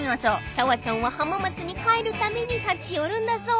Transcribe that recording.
［砂羽さんは浜松に帰るたびに立ち寄るんだそう］